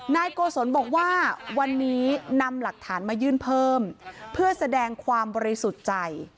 นายโกศลบอกว่าวันนี้นำหลักฐานมายื่นเพิ่มเพื่อแสดงความบริสุทธิ์ใจ